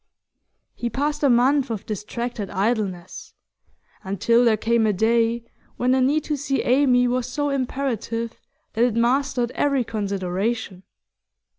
He passed a month of distracted idleness, until there came a day when the need to see Amy was so imperative that it mastered every consideration.